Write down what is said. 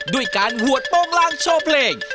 ด้วยการหวดโปรงลางโชว์เพลง